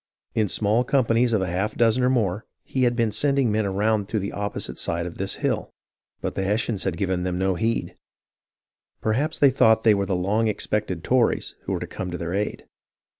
In small companies of a half dozen or more, he had been sending men around to the opposite side of this hill ; but the Hessians had given them no heed. Perhaps they thought they were the long expected Tories who were to come to their aid.